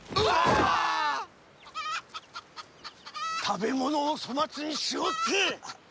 食べ物を粗末にしおって！